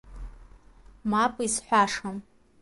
Мап, изҳәашам…